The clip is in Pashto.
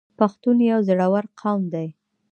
پښتون یو زړور قوم دی.